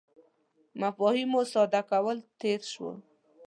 مفاهیمو ساده کولو تېر شو.